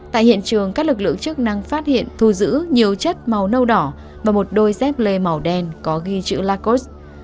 tại hiện trường các lực lượng chức năng phát hiện thu giữ nhiều chất màu nâu đỏ và một đôi dép lee màu đen có ghi chữ lacos